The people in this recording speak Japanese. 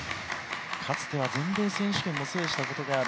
かつては全米選手権も制したことがある。